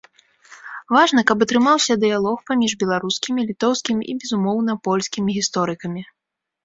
Важна, каб атрымаўся дыялог паміж беларускімі, літоўскімі і безумоўна польскімі гісторыкамі.